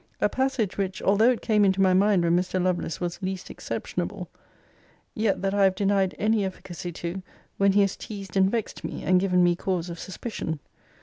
A passage, which, although it came into my mind when Mr. Lovelace was least exceptionable, yet that I have denied any efficacy to, when he has teased and vexed me, and given me cause of suspicion.